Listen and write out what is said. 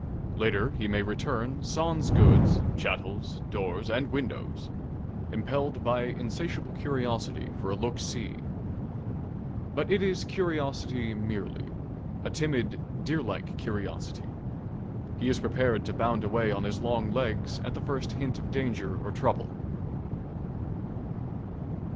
Later he may return, sans goods, chattels, doors, and windows, impelled by insatiable curiosity for a "look see." But it is curiosity merely a timid, deerlike curiosity. He is prepared to bound away on his long legs at the first hint of danger or trouble.